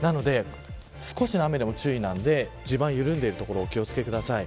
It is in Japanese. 少しの雨でも注意が必要で地盤が緩んでいる所お気を付けください。